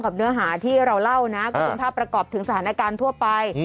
เนื้อหาที่เราเล่านะก็เป็นภาพประกอบถึงสถานการณ์ทั่วไป